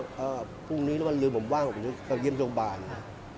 ก็พทธิวฯนี้แล้วลืมผมว่างผมเขายืนอยู่โรงพยาบาลนะ